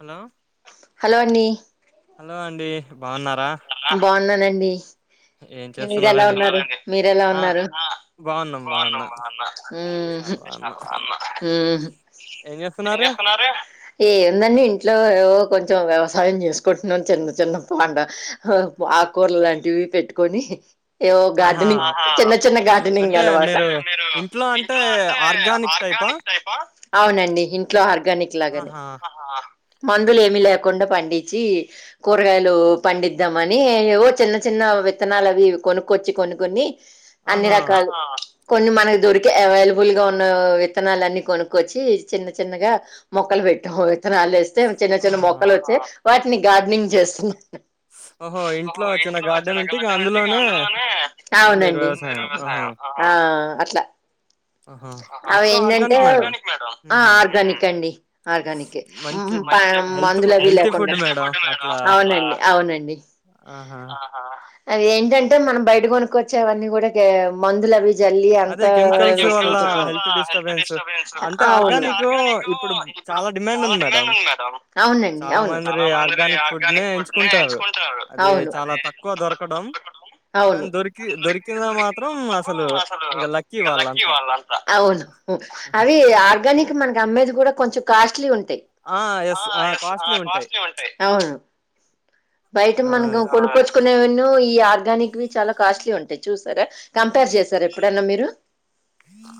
Hello hello అండి. Hello అండి బాగున్నా బాగున్నానండి. ఏం మీరెలా చేస్తున్నారండి ఉన్నారు, మీరెలా ఆ ఉన్నారు. బాగున్నాం బాగున్నా ఉమ్ హ్ చాలా బాగున్నా హు ఏం చేస్తున్నారు ఏముందండి ఇంట్లో ఓ కొంచెం వ్యవసాయం చేసుకుంటున్నాం, చిన్న చిన్న పాండ ఆకూరలు లాంటివి పెట్టు కొనీ ఏవో గార్డెనింగ్ ఆహా చిన్న చిన్న గార్డెనింగ్ అంటే అనమాట మీరు ఇంట్లో అంటే ఆర్గానిక్ టైపా అవునండి ఇంట్లో ఆర్గ ర్గానిక్ లాగానే. ఆహా మందులు ఏమి లేకుండా పండించి కూరగాయలు పండిద్దామని ఏవో చిన్న చిన్న వ్ విత్తనాలు అవి కొనుక్కొచ్చి కొన్నీ కొన్నీ అన్ని ఆహా రకాలు కొన్ని మనకు దొరికి అవైలబుల్ గా ఉన్న విత్తనాలన్ని కొనుక్కొచ్చి చిన్న చిన్నగా మొక్కలు పెట్టాం. విత్తనాలేస్తే చిన్న చిన్న ఆహా మొక్కలు వచ్చయి. వాటిని గార్డెనింగ్ చేస్తున్నా. ఓహో ఇంట్లో ఓ చిన్న గార్డెన్ ఉంటే ఇగా అవునండి. వ్యవసాయం హా ఆహా ఆ అట్లా ఆహా అవి మొత్తం ఏంటంటే ఆర్గానిక్ మేడం ఆ ఉహు ఆర్గానిక్ అండి ఆర్గానిక్కే మంచి ప హెల్త్ మందులు అవి హెల్తీ లేకుండా ఫుడ్ మేడం అట్లా అవునండి, అవునండి. ఆహా అవి ఏంటంటే మనం బయట కొనుకోచ్చేవన్నీ కూడా గా మందులు అవి జల్లి అంత అదే [inaudible] కెమికల్స్ వల్ల హెల్త్ డిస్టర్బెన్స్ అంటే అవును ఆర్గానిక్ ఇప్పుడు చాలా డిమాండ్ ఉంది మేడం అవునండి, చాలా అవును, మంది ఆర్గానిక్ ఫుడ్ నే ఎంచుకుంటారు అవును. డం అవును కాని దొరికి దొరికింద మాత్రం అసలు ఇక లక్కీ వాళ్ళంతా అవును అవి ఆర్గానిక్ మనకి అమ్మేది కూడా కొంచం కాస్ట్లీ ఉంటు ది ఆ ఎస్ ఆ కాస్ట్లీ ఉంటాయి అవును బయట ఆ మనం కొనుచ్చుకునేవ నాయి. ఈ ఆర్గానిక్వి చాలా కాస్ట్లీ ఉంటయి చూసారా, కంపేర్ చేసారా ఎప్పుడన్నా మీరు.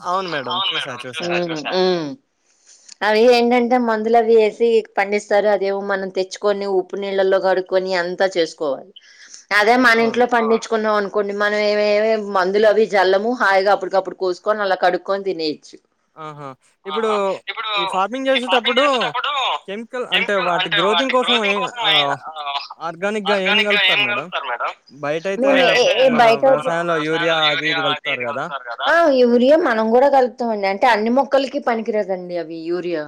అవును మేడం చూసా చూసా హు అవి ఏంటంటే దేమందులు అవి వేసి పండిస్తారు, అదేమో మనం తెచ్చుకొని ఉప్పు నీళ్ళలో కడుకొని అంతా చేసుకోవాలి. అదే మన అవును ఇంట్లో పడించుకున్నాం అను కొన్ని మనం ఏమేమి మందులు అవి జల్లము హాయిగా అప్పుటికప్పుడు కోసుకొని అలా కడుక్కొని తినేయవచ్చు ఆహా ఇప్పుడు ఈ ఫార్మింగ్ చేసేటప్పుడు కెమికల్ అంటే వాటి గ్రోతింగ్ కోసం ఏ ఆ ఆర్గానిక్గా ఏం కలుపుతారు మేడం తారు మేడం బయట అయితే బయట క మన వ్యవసాయంలో యూరియా అది ఇది మనం కూడా కలుతామండి అంటే అే అన్ని మొక్కలకి పనికిరాదండి అవి యూరియా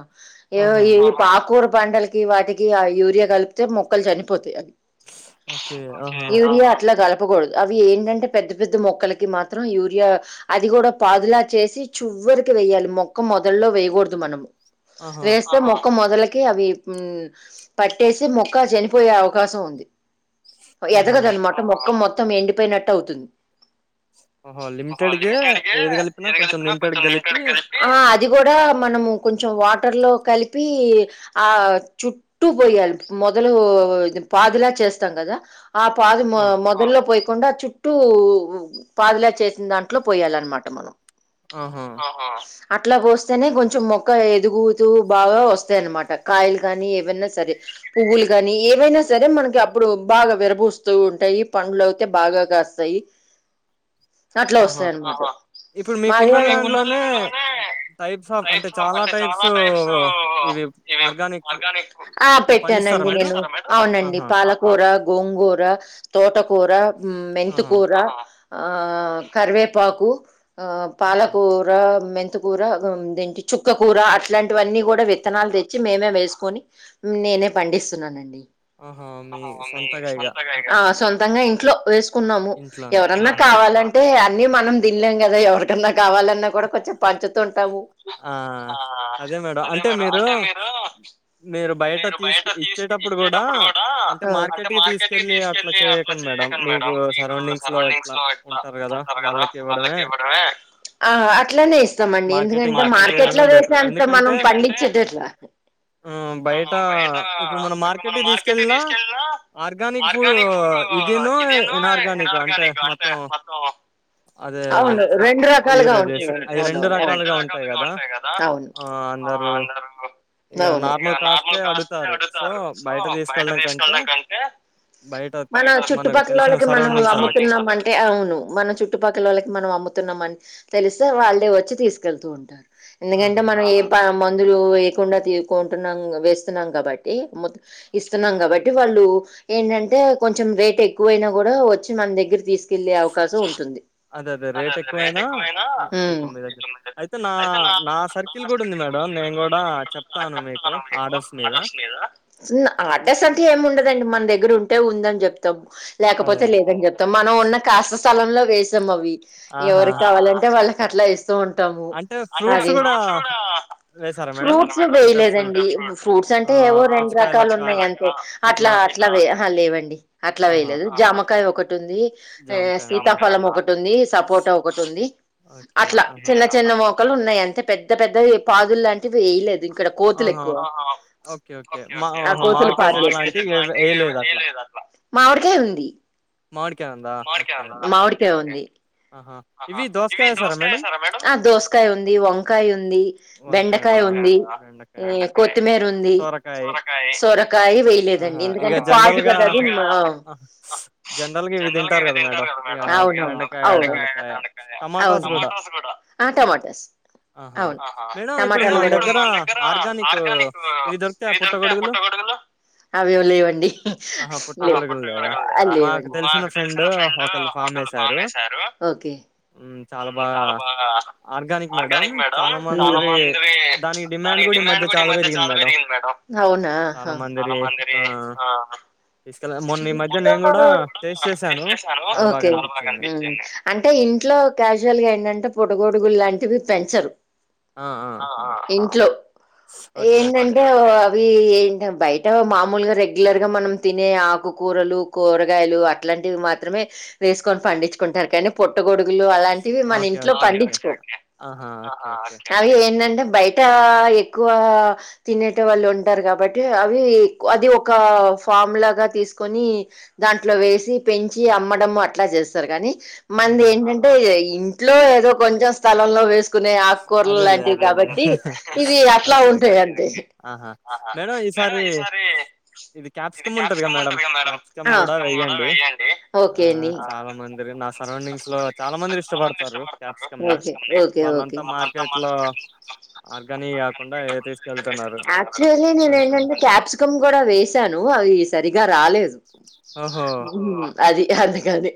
ఏ ఆహా ఈ పాకురు పండలకి వాటికి ఆ యూరియా కలిపితే మొక్కలు చనిపోతాయి అది ఓకే యూరియా అట్లా కాదు పకూడదు అవి ఏంటంటే పెద్ద పెద్ద మొక్కలకి మాత్రం యూరియా అది కూడా పాదులా చేసి చివ్వరికి వెయాలి మొక్క మొదలో వేయకూడదు మనము ఆహా వేస్తే మొక్క మొక్క మొదలకి అవి పట్టేసి మొక్క చనిపోయే అవకాశం ఉంది ఆహా ఎదగదు అన్నమాట మొక్కం మొత్తం మొత్తం ఎండిపోయినట్టు అవుతుంది ఓహో లిమిటెడ్ కె ఏది కలిపినా కొంచం లిమిటెడ్ కలిపి అది కూడా మనము కొంచెం వాటర్ లో కలిపి ఆ చుట్టూ పోయాలి మొదలు పాదులా చేస్త స్తాము కదా ఆ పాది ఆ, మొదలో పోయకుండా చుట్ట చుట్టూ పాదులా చేసిన దాంట్లో పోయాలన్నమాట మనం ఆహా అట్లా పోస్తేనే కొంచెం మొక్క ఎదుగుతూ బాగా వస్తాయి అన్నమాట కాయలు కానీ ఏవైనా సరే పువ్వులు కాని ఏవైనా సరే మనకి అప్పుడు బాగా విరభూస్తూ ఉంటాయి పండ్లు అయితే బాగా కాస్తాయి అట్లా ఆహా వస్తాయి అన్న మాట ఇప్పుడు మీకున్న ల్యాండ్ లోనే టైప్స్ ఆఫ్ అంటే చాలా టైప్స్ ఇవి ఆర్గానిక్ ఆ ఇవి పండిస్తారా పెట్టానండి మేడం నేను అవునండి ఆహా పాల కూర గోంగూర తోట కూూర మెంతు ఆహా కూర ఆ కరివేపాకు ఆ మ్మ్. పాలకూర మె మేంతు కూర తేంటి చుక్క కూూర అట్లాంటివన్నీ కూడా విత్తనాలు తెచ్చి మేమే వేసుకొని నేనే పండిస్తున్నానండి ఆహా మీ సొంతగా ఇగ సొంతంగా ఇంట్లో వేస్ కున్నాము ఇంట్లోనే ఎవరన్నా ఆహా కావాలంటే అ మనం తిలేం కదా ఎవరి న్నా కావాలన్నా కూడా కొంచెం పంచుతుంట తాము ఆ అదే మేడం అంటే మీరు మీరు బయట తీసు ఇచ్చేటప్పుడు కూడా అంటే హ మార్కెట్కి తీసుకెళ్ళి అట్లా చేయకండి మేడం మీకు సరౌండింగ్స్ లో ఇట్లా ఉంటారు కదా వాళ్ళకి ఇవ్వడమే అట్లానే ఇస్తాం అండి మార్కెటింగ్ అట్లా మార్కెట్ చేయడమే లో బెటర్ వేస్తాం అంటే మనం ఎందుకంటే పండించేదేట్లా హ్మ్. బయట ఇప్పుడు మనం మార్కెట్కి తీసుకెళ్ళినా ఆర్గానిక్ ఫుడ్ ఇదిను ఇన్ఆర్గానిక్ అంటే మొత్తం అదే అవును వ రెండు రకాలుగా యూరియా చేసి అవి రెండు రకాలుగా ఉంటాయి కదా వుంటాయి అవును ఆ! అందరూ ఇగ అవును నార్మల్ కాస్టే అడుగుతారు సో బయట తీసుకెళ్ళడం కంటే బయట మన మనకు చుట్టుపక్కల తెలిసిన వాళ్ళకి మనం సరౌండింగ్స్ వాళ్ళకి అమ్ముతున్నాం అంటే అవును మన చుట్టుపక్కల వాళ్ళకి మనం అమ్ముతున్నాం తెలిస్తే వాళ్ళే వచ్చి తీసుకెళ్తూ ఉంటారు ఎందుకంటే ఆహా మనం ఏ అందరూ లేయకుండా తీసుకుంటున్నాం వేస్తున్నాం కాబట్టి ఇస్తున్నాం కాబట్టి వాళ్ళు ఏంటంటే కొంచెం రేట్ ఎక్కువైనా కూడా వచ్చి మన దగ్గర తీసుకెళ్ళలే అవకాశం ఉంటుంది అదే అదే రేట్ ఎక్కువైనా ఇ మీ అయితే నా నా సర్కిల్ కూడా ఉంది మేడం నేను కూడా చెప్తాను మీకు ఆర్డర్స్ మీద ఎస్ అంటే ఏముండదండి మన దగ్గర ఉంటే ఉందని చెప్తే అదే లేకపోతే అదే లేదని చెప్తాం మనం ఉన్న కాస్త స్థలం లో వేసాం అవి ఆహా ఎవరు కావాలంటే వాళ్ళు అట్లా ఇస్తూ ఉంట అంటే ఫ్రూట్స్ కూడా ఇస్తాము వేసారా మేడం ఫూట్స్ అంటే వేయలేదండి ఫ్రూట్స్ ఫూట్స్ అంటే ఆ ఏవో రెండు పుచ్చకాయ రకాలు లక్క ఉం అంతే అట్లా ఇట్లా అట్లా లేవండి అట్లా ఆహా వేయలేదు జామకాయ ఒక ఒకటి ఉంది జామకాయ ఉందా సీతాఫలం ఒకటి ఉంది సపోట ఒకటి ఉంది ఓకే అట్లా ఆహా చిన్న చిన్న మెక్కలు ఉన్నాయి అంటే పెద్ద పెద్ద పెద్దయి పాదులు లాంటివి వేయలేదు ఇక్కడ కోతులు ఆహా ఎక్కువ ఓకే ఓకే మా ఆహా తు ప మామిడికాయ అ చెట్లు లాంటివి ఏ వేయలేదు అట్లా మామిడికాయ ఉంది మామిడికాయ ఉందా ఓకే ఓకే మామిడికాయ ఉంది ఆహా ఇవి దోసకాయ ఏసారా మేడం య దోసకాయ ఉంది వంకాయ ఉంది వంకాయ బెండకాయ ఉందా ఉంది బెండకాయ కొత్తిమీర ఉంది సోరకాయ సోరకాయ వేయలేదండి ఆహా ఇక ఎందుకంటే పాటు జనరల్ గా కద అది ఆహా. జనరల్ గా ఇవి తింటారు కదా మేడం ఇక అవునువును బెండకాయ అవును దొండకాయ అవును టమాటాస్ కూడా టమాటస్ ఆహా అవును మేడం ఇప్పుడు టమాటలు మన కూడా దగ్గర ఆర్గానిక్ ఇవి దొరుకుతాయా పుట్టగొడుగులు అవి లేవండి ఆహా లేవు పుట్టగొడుగులు లేదా అవి లేవు మాకు తెలిసిన ఫ్రెండ్ అండి ఒకళ్ళు ఫామ్ వేసారు ఓకే చాలా బాగా ఆర్గానిక్ మేడం చాలా మంది ఉమ్ దానికి డిమాండ్ కూడా ఈ మధ్య చాలా పెరిగింది మేడం అవునా చాలా హా మందిరి ఆ తీసుకెళ్ళ మొన్న ఈ మధ్య నేను గూడా టేస్ట్ చేశాను. ఇంట్లో చాలా బాగా ఓకే అనిపిచ్చింది. అంటే ఇంట్లో క్యాజువల్ గా ఏంటంటే పుట్టగొడుగులు లాంటివి పెంచరు ఆ ఇంట్లో ఓకే. ఓకే. ఏంటంటే అవి ఏంట బయట మాము మామూలుగా రెగ్యులర్ గా మనం తినే ఆకుకూరలు కూరగాయలు అట్లాంటివి మాత్రమే వేసుకని పండించుకుంటారు కానీ పుట్టగొడుగు పుట్టగొడుగులు అలాంటివి మన ఓకే. ఇంట్లో ఓకే. ఓకే. పండించుకో ఆహా! ఓకే. ఓకే. అవి ఏంటంటే బయట ఎక్కువ తినేటి వాళ్ళు ఉంటారు కాబట్టి అవి అది ఒక ఫామ్ లాగా తీసుకొని దాంట్లో వేసి పెంచి అమ్మడంము అట్లా చేస్తారు కాని మంది ఆహా! ఏంటంటే ఇంట్లో ఏదో కొంచెం స్థలంలో వేసు వేసుకునే అకురలు అదేలే. లాంటివి అదేలే. కాబట్టి ఇవి అట్లా ఓకే. ఉంటాయి ఓకే. అంతే అహ మేడం ఈసారి ఇది క్యాప్సికమ్ ఉంటదిగా క్యాప్సికం ఉంటే మేడం ది కదండి వెయ్యండి క్యాప్సికమ్ గూడా క్యాప్సికం కూడా వెయ్యండి అండి ఓకే అండి సరౌండింఇంగ్స్ లో చాలా మంది ఇష్టపడతారు క్యాప్సికమ్ ని ఓకే ఓకే వాళ్ళంతా ఓకే మార్కెట్‌లో ఆర్గానియి గాకుండా ఏ తీసుకెళ్తున్నారు యాక్చువల్లీ నేను కొంచెం ఏంటంటే క్యాప్సికం కూడా వసాను అవి సరిగా రాలేదు ఓహో! అది అందుకని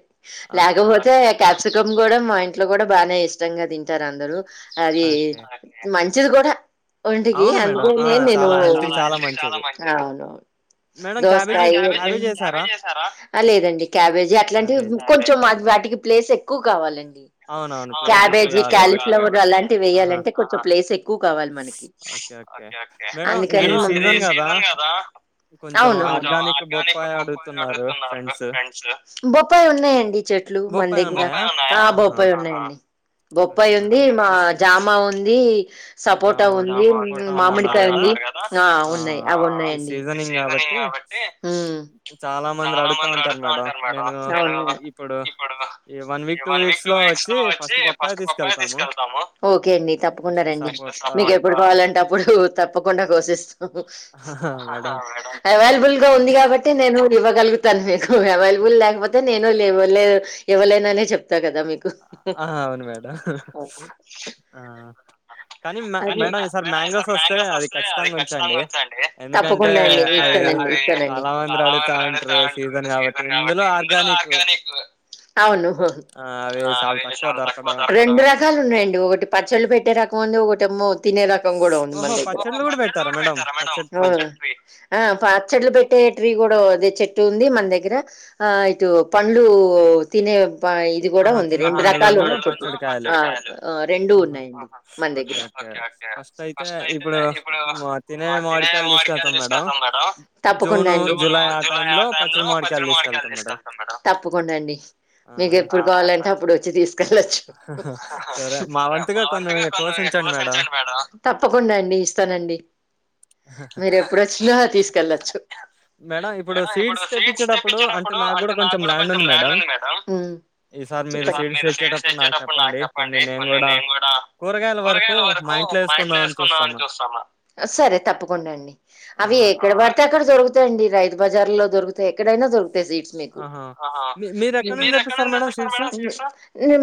ఓకే ఓకే అ క్యాప్సికమ్ కూడా మా ఇ ఇంట్లో కూడా బాగానే ఇష్టంగా తంటం తింటారు అందరూ అది ఓకే. మంచి గూడా వంటికి అవును గూడ మేడం. ఆ! అందుకనే నేను చాలా హెల్త్‌కి చాలా మంచిది. అవును మేడం క్యాబేజీ దోసయి క్యాబేజీ ఎసారా? లేదండి క్యాబేజీ అట్లాంటివి క్యాబేజీ. కొంచెం మాది వాటికి ప్లేస్ ఎక్కువ కావాలండి అవునవును. ప్లేస్ ఎక్కువ కబేజీ గావాలి గాబట్టి. కాలీఫ్లవర్ అలాంటి ఆహా! వేయాలంటే కొంచం ప్లేస్ ఎక్కువ కావాలి మనకి ఓకే ఓకే అందుకని కొంచెం సీజన్ ఆర్గానిక్ బొప్పాయి వేస్తున్నారు ఫ్రెండ్స్ అవును బొప్పాయి ఉన్నాయండి చెట్లు బొప్పాయి ఉన్నాయా ఆహా! బొప్పాయి ఉన్నాయండి ఓకే బొప్పాయి ఉంది మేడం. మా ఇస్ జామా ఉంది సపోటా జామ ఉంది సపోటా ఉందన్నారు మామిడికాయ గదా! ఉంది ఆ! ఉన్నాయి అవి ఈ ఉన్నాయండి సీజనింగ్ గాబట్టి కాబట్టి చాలా మంది అడుగుతా ఉంటారు మేడం ఇప్పుడు ఈ వన్ వీక్ టూ వీక్స్ లో వచ్చి ఫస్ట్ బొప్పాయి తీసుకెళ్తాము. ఒకే అండి తప్పకుండ నెక్స్ట్ రండి సపోర్ట్ ఆ! మీకు ఎప్పుడు కావాలంటేప్పుడు తప్పకుండా కోశిస్తాము మేడం ఉంది కాబట్టి నేను ఇవ్వగలుగుతాను మీకు అవైలబుల్ లేకపోతే నేను లేవు లేదు ఇవ్వలేను అనే చెప్ కదా మీకు ఆ! అవును మేడం. ఆ! కానీ మే మేడం మేడమ్ ఈసారి మ్యాంగోస్ మంగోస్ అది వస్తే ఖచ్చితంగా కచ్చితంగా ఉంచండి ఎందుకంటే తప్పకుండా అండి అవి సరే అండి సరే అండి ఎందుకంటే సీజన్ కాబట్టి ఇందులో ఆర్గానిక్ అవును ఆహ్, అవి చాలా తక్కువ దొరకడం. రెండు రకాలు ఉన్నాయండి ఒకటి పచ్చళ్ళు పెట్టే రకం ఉంది ఒకటి ప్రమోత్ తినే రకం కూడా ఉంది మన ఓహో! దగ్గర పచ్చడ్లు గూడా పెట్టారా మేడం? పచ్చడి ట్రీ. పె పచ్చడ్లు పెట్టే ట్రీ కూడా అదే చెట్ ఉంది మన దగ్గర ఆ ఇటు పండ్లు తినే ఇది కూడా ఆహా! ఉంది తినే రెండు రకాలు పండ్లును, పచ్చడి కాయలు. ఉన్నాయి రెంూ ఆహా! ఉన్నాయండి మన ఓకే. దగ్గర ఓకే. ఫస్ట్ అయితే ఇప్పుడు మా తినే మామిడికాయలు తీసుకెళ్తాం మేడం. తీాప్పకుండా జూను, అండి జులై ఆ టైంలో పచ్చడి మామిడికాయలు తీసుకెళ్తాం మేడం. తప్పకుండా అండి ఆ ఎప్పుడు కొంచెం కావాలంటే అప్పుడు వచ్చి తీసుకెళ్ళచ్చు. సరే మా వంతుగా కొన్ని కోసించండి మేడం. తప్పకుండా అండి ఇస్తానండి. మీరెప్పుడొచ్చినా తీసుకెళ్లచ్చు. మేడం ఇప్పుడు సీడ్స్ తెప్పించేటప్పుడు అంటే నాకు గూడా కొంచెం ల్యాండ్ ఉంది మేడం. హ ఈసారి మీరు సీడ్స్ తెచ్చేటప్పుడు నాకు చెప్పండి కొన్ని నేను కూడా కూరగాయల వరకు మా ఇంట్లో వేసుకుందాం అని చూస్తున్న అండి ఆ! రైతు బజార్ లో దొరుకుతయి ఎక్కడైనా దొరుకుతయి సీడ్స్ మీకు ఆహా! మీ మీరెక్కడి నుంచి తెప్పిస్తారు మేడం సీడ్స్?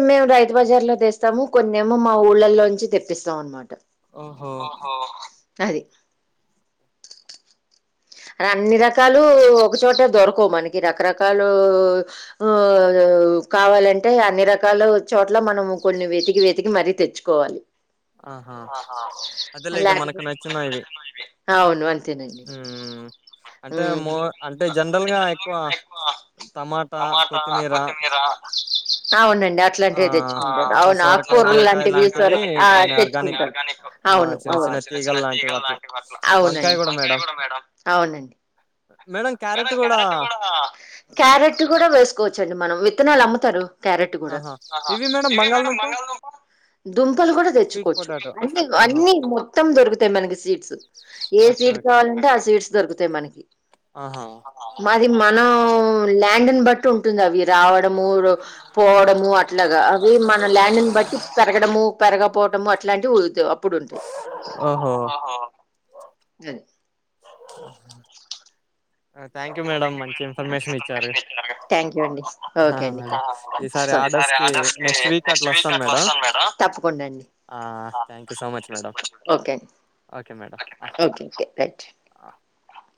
మేము రైతు బజార్ లో తెస్తాము కొన్నేమొ మా ఊళ్ళలో నుంచి తెప్పిస్తాం అనమాట ఓహో అది అన్ని రకాలు ఒకచోటే దొరకు మనకి రకరకాలు ఆ కావాలంటే అన్ని రకాల చోట్ల మనం కొన్ని వెతికి వెతికి మరీ తెచ్చుకోవాలి ఆహా! అదేలే ఇక మనకు నచ్చినవి అవును అంతేనండి అంటే ఉమ్ మో ఎక్కువ అంటే జనరల్గా ఎక్కువ టమాటా కొత్తిమీర అవునండి అట్లాంటివి ఆహ్, తెచ్చుకుంటారు ఇట్లా అవును ఆకు సొరకాయ, కూరలు బీరకాయ లాంటి వి లాంటివి కొన్ని తెచ్చుకుంట ఆర్గానిక్ ఆహ్, చిన్న చిన్న తీగలు లాంటివి అవునువునుతీగలు అట్లా. వంకాయ గూడా అవునండివంకాయ కూడా మేడం. అవునండి క్యారెట్ మేడం గూడా క్యారట్ కూడా క్యారట్ కూడా వెస్ కోవచ్చండి మనం విత్తనాలు అమ్మతారు క్యారెట్ కూడా ఆహా! ఇవి మేడం బంగాళదుంప, దుంపలు కూడా స్వీట్ తెచ్చుకోవచ్చు పొటాటో. అ ఆహా! అన్ని మొత్తం దొరుకుతాయి మనకి సీడ్స్ ఏ ఓకే. Seed okay. కావాలంటే ఆ సీడ్స్ దొరుకుతాయి మనకి ఆహా! మాది మనం ల్యాండ్ని బట్టి ఉంటుంది అవి రావడము పోవడము అట్లాగా అవి మన ల్యాండ్ని బట్టి పెరగడము పెరగపోవటము అట్లాంటి ఉ ఇప్పుడుంటాయి ఓహో! ఆహా లే [unintelligible] ఆ [unintelligible] ఇచ్చారు. ఆ! మేడం. ఈసారి ఆర్డర్స్‌కి నెక్స్ట్ వీక్ అట్లా వస్తాను మేడం. ఆ! Thank you so much madam. Okay madam. ఆ! ఆ [unintelligible]